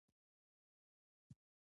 دا د ادارې اصول په عمل کې تطبیقوي.